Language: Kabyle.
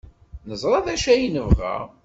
Neẓra d acu ay nebɣa.